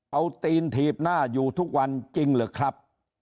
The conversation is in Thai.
เอาตีนถีบหน้าอยู่ทุกวันจริงเหรอครับ